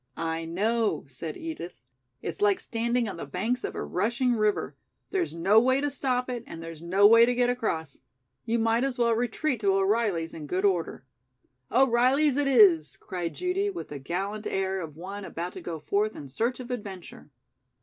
"I know," said Edith. "It's like standing on the banks of a rushing river. There's no way to stop it and there's no way to get across. You might as well retreat to O'Reilly's in good order." "O'Reilly's it is," cried Judy with the gallant air of one about to go forth in search of adventure.